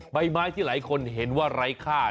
ใบไม้ที่หลายคนเห็นว่าไร้ค่า